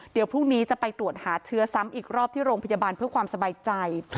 เดี๋ยวพรุ่งนี้จะไปตรวจหาเชื้อซ้ำอีกรอบที่โรงพยาบาลเพื่อความสบายใจ